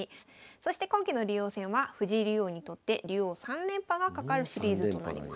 そして今期の竜王戦は藤井竜王にとって竜王三連覇がかかるシリーズとなります。